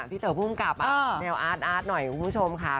เต๋อภูมิกับแนวอาร์ตหน่อยคุณผู้ชมค่ะ